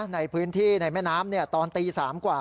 ในพื้นที่ในแม่น้ำตอนตี๓กว่า